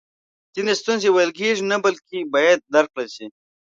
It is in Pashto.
ځینې ستونزی ویل کیږي نه بلکې باید درک کړل سي